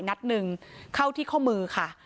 นัดหนึ่งเข้าที่ข้อมือค่ะ